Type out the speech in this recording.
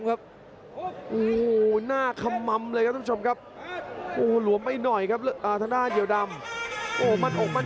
แล้วมาต่อเลยครับละทะวีทิ้งด้วยมัดซ้ายเติมด้วยส่องซ้าย